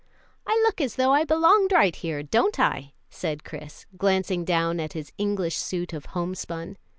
"I look as though I belonged right here, don't I?" said Chris, glancing down at his English suit of homespun.